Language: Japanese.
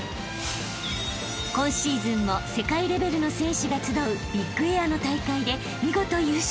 ［今シーズンも世界レベルの選手が集うビッグエアの大会で見事優勝］